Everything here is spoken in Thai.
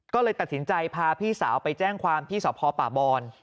ก็เลยตัดสินใจพาพี่สาวไปแจ้งความที่สพป่าบอน